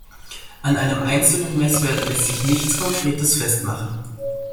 An einem einzelnen Messwert lässt sich nichts Konkretes festmachen.